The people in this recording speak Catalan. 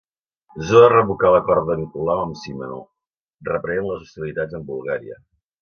Zoe revocà l'acord de Nicolau amb Simeó, reprenent les hostilitats amb Bulgària.